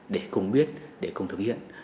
để cùng biết để cùng thực hiện